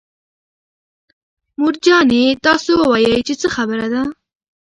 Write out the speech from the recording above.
مور جانې تاسو ووايئ چې څه خبره ده.